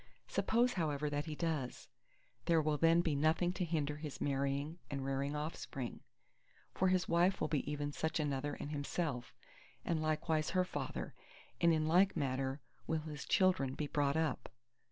Suppose however that he does, there will then be nothing to hinder his marrying and rearing offspring. For his wife will be even such another as himself, and likewise her father; and in like manner will his children be brought up.